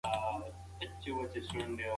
د بازار حقیقتونه مې درک کړل.